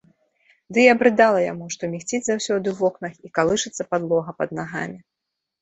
Ды і абрыдала яму, што мігціць заўсёды ў вокнах і калышацца падлога пад нагамі.